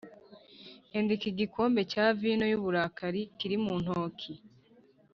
Enda iki gikombe cya vino y uburakari kiri mu ntoki